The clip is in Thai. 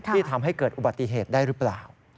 ที่ทำให้เกิดอุบัติเหตุได้หรือเปล่า